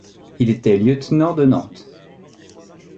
Il était lieutenant de Nantes.